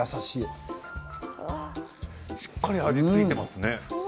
しっかり味が付いていますね。